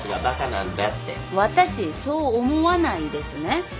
ワタシそう思わないですね。